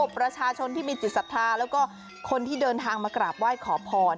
ประชาชนที่มีจิตศรัทธาแล้วก็คนที่เดินทางมากราบไหว้ขอพร